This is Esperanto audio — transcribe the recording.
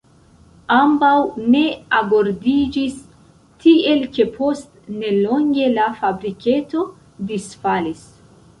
Ambaŭ ne agordiĝis, tiel ke post nelonge la fabriketo disfalis.